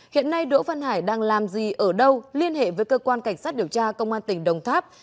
hiện nay đỗ văn hải đang làm gì ở đâu liên hệ với cơ quan cảnh sát điều tra công an tỉnh đồng tháp